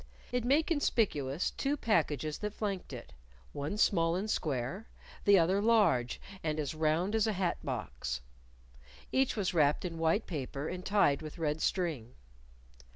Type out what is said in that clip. It made conspicuous two packages that flanked it one small and square; the other large, and as round as a hat box. Each was wrapped in white paper and tied with red string.